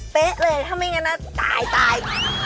เลยถ้าไม่งั้นนะตายตาย